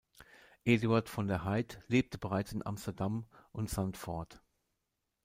Eduard von der Heydt lebte bereits in Amsterdam und Zandvoort.